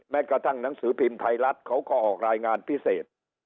กระทั่งหนังสือพิมพ์ไทยรัฐเขาก็ออกรายงานพิเศษ